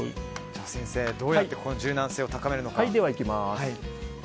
先生、どうやって柔軟性を高めるんでしょう。